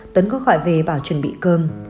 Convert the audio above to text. tuấn có gọi về bảo chuẩn bị cơm